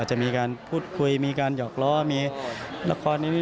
จะมีการพูดคุยมีการหยอกล้อมีละครในนี้